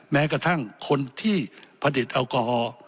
แม้กระทั่งคนที่ผลิตแอลกอฮอล์